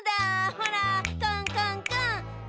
ほらコンコンコン！